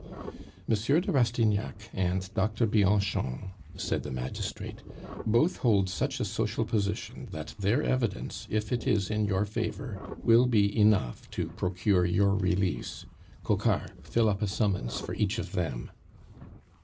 "Monsieur de Rastignac and Doctor Bianchon," said the magistrate, "both hold such a social position that their evidence, if it is in your favor, will be enough to procure your release. Coquart, fill up a summons for each of them."